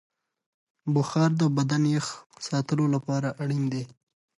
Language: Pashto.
بخار د بدن یخ ساتلو لپاره اړین دی.